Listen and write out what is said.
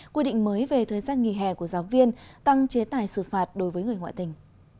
quy định mới về thời gian nghỉ hè của giáo viên tăng chế tài xử phạt đối với người ngoại tình